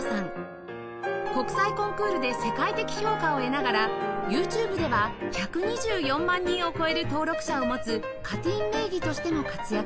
国際コンクールで世界的評価を得ながら ＹｏｕＴｕｂｅ では１２４万人を超える登録者を持つ Ｃａｔｅｅｎ 名義としても活躍